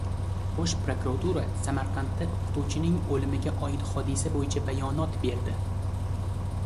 Bosh prokuratura Samarqandda o‘qituvchining o‘limiga oid hodisa bo‘yicha bayonot berdi